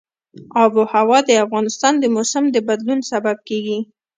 آب وهوا د افغانستان د موسم د بدلون سبب کېږي.